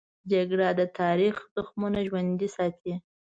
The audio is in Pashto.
جګړه د تاریخ زخمونه ژوندي ساتي